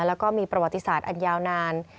แล้วก็มีประวัติศาสตร์อันยาวนาน